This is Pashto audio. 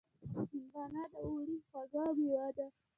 هندوانه د اوړي خوږ مېوه ده.